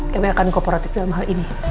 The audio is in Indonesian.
kami akan kooperatif dalam hal ini